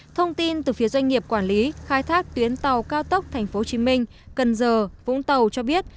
thông tin từ phía doanh nghiệp quản lý khai thác tuyến tàu cao tốc tp hcm cần giờ vũng tàu cho biết